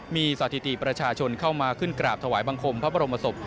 มีสถิติประชาชนเข้ามาขึ้นกราบถวายบังคมพระบรมศพ